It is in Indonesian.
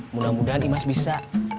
mudah mudahan imas bisa